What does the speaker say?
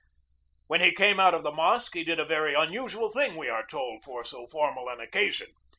When he came out of the mosque he did a very unusual thing, we were told, for so formal an oc casion.